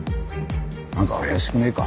なんか怪しくねえか？